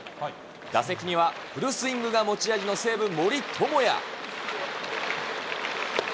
打席にはフルスイングが持ち味の西武、森友哉。